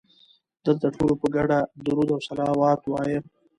دلته ټولو په ګډه درود او صلوات وایه.